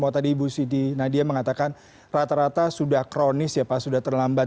kalau tadi ibu siti nadia mengatakan rata rata sudah kronis ya pak sudah terlambat